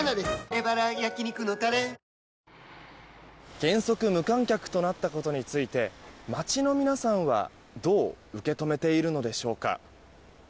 原則無観客となったことについて街の皆さんは、どう受け止めているのでしょうか。